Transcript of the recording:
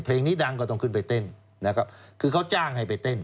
เพลงนี้ดังก็ต้องขึ้นไปเต้นนะครับคือเขาจ้างให้ไปเต้น